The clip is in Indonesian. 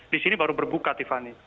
di sini baru berbuka tiffany